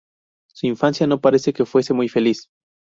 Su infancia no parece que fuese muy feliz.